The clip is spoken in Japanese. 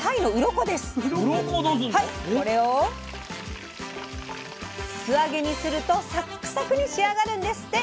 これを素揚げにするとサックサクに仕上がるんですって！